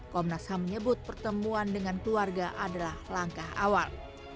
komnas ham menyebut pertemuan dengan keluarga adalah langkah awal